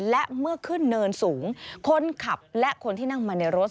และเมื่อขึ้นเนินสูงคนขับและคนที่นั่งมาในรถ